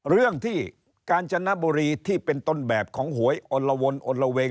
เรื่องที่กาญจนบุรีที่เป็นต้นแบบของหวยอลละวนอนละเวง